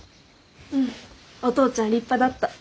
うんお父ちゃん立派だった。